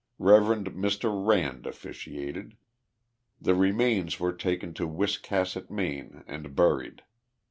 Ilev. Mr. Rand officiated. The remains were taken to Wiscasset. Maine, and buried.